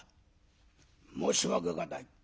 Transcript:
「申し訳がない。